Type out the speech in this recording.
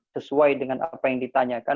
sesuai dengan apa yang ditanyakan